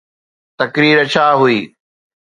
تقرير ڇا هئي؟